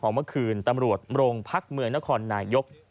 ของเมื่อคืนตำรวจโมร่งภักดิ์เมืองนครหน่ายก